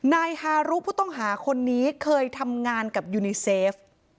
นายฮารุผู้ต้องหาคนนี้เคยทำงานกับยูนิเซฟ